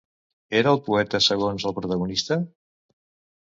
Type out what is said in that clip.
Era el poeta segons el protagonista?